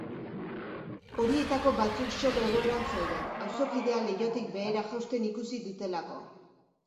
Horietako batzuk shock egoeran zeuden, auzokidea leihotik behera jausten ikusi dutelako.